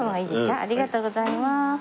ありがとうございます。